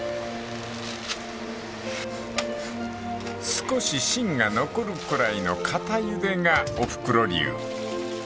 ［少し芯が残るくらいの固ゆでがおふくろ流］